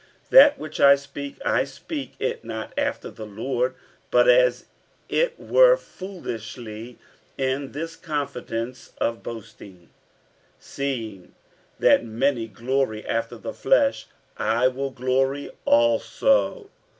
47:011:017 That which I speak, I speak it not after the Lord, but as it were foolishly, in this confidence of boasting. 47:011:018 Seeing that many glory after the flesh, I will glory also.